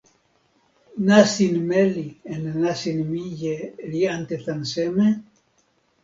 nasin meli en nasin mije li ante tan seme?